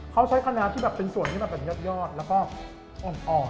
เขาใช้คะแนนที่แบบเป็นส่วนที่แบบยอดแล้วก็อ่อน